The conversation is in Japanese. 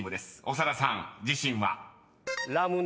長田さん自信は？］